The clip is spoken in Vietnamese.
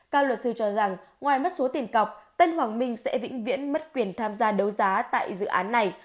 cao luật sư cho rằng ngoài mất số tiền cọc tân hoàng minh sẽ vĩnh viễn mất quyền tham gia đấu giá tại dự án này